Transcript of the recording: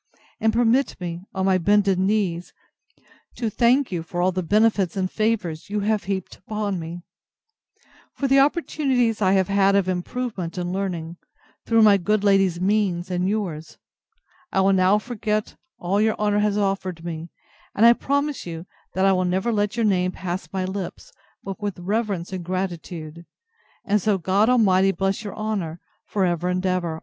And permit me, on my bended knees, to thank you for all the benefits and favours you have heaped upon me; for the opportunities I have had of improvement and learning, through my good lady's means, and yours. I will now forget all your honour has offered me: and I promise you, that I will never let your name pass my lips, but with reverence and gratitude: and so God Almighty bless your honour, for ever and ever!